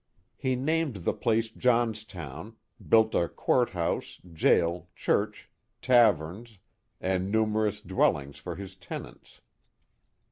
He named the placed Johnstown, built a court house, jail, church, taverns, and numerous dwellings for his tenants.